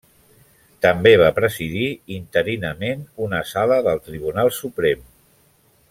També va presidir interinament una sala del Tribunal Suprem.